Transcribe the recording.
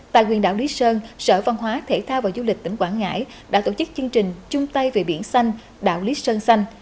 tại quyền đảo lý sơn sở văn hóa thể thao và du lịch tỉnh quảng ngãi đã tổ chức chương trình trung tây về biển xanh đảo lý sơn xanh